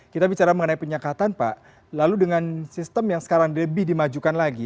kita bicara mengenai penyekatan pak lalu dengan sistem yang sekarang lebih dimajukan lagi